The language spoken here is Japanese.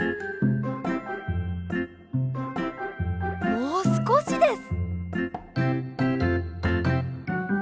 もうすこしです。